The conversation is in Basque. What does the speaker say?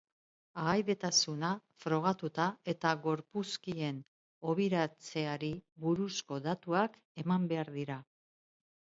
Ahaidetasuna frogatuta eta gorpuzkien hobiratzeari buruzko datuak eman behar dira.